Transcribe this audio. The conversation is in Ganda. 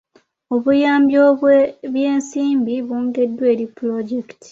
Obuyambi obw'ebyensimbi bwongeddwa eri pulojekiti.